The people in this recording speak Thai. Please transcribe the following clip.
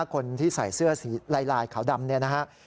คนที่ใส่เสื้อสีลายขาวดำเนี่ยนะฮะ